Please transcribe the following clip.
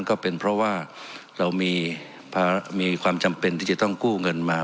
ก็เป็นเพราะว่าเรามีความจำเป็นที่จะต้องกู้เงินมา